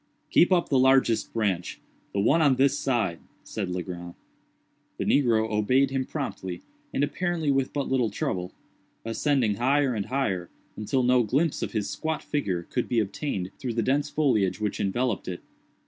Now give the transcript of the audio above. "Keep up the largest branch—the one on this side," said Legrand. The negro obeyed him promptly, and apparently with but little trouble; ascending higher and higher, until no glimpse of his squat figure could be obtained through the dense foliage which enveloped it.